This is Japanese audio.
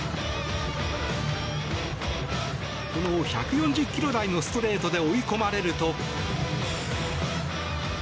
この１４０ｋｍ台のストレートで追い込まれると。